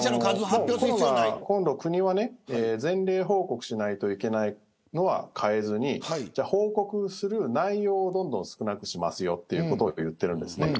今度、国は全例報告しないといけないのは変えずに報告する内容をどんどん少なくしますよということを言っているんです。